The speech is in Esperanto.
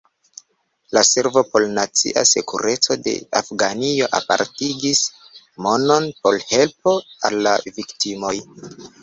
La Servo por nacia sekureco de Afganio apartigis monon por helpo al la viktimoj.